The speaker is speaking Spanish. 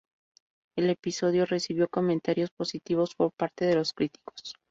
El episodio recibió comentarios positivos por parte de los críticos.